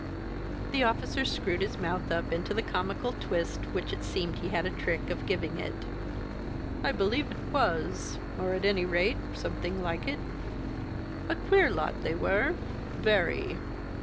The officer screwed his mouth up into the comical twist which it seemed he had a trick of giving it. "I believe it was, or, at any rate, something like it. A queer lot they were very."